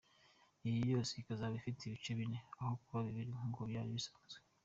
Iyo yose ikazaba ifite ibice bine aho kuba bibiri nk’uko byari bisanzwe.